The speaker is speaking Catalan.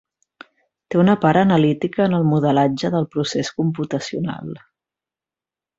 Té una part analítica en el modelatge del procés computacional.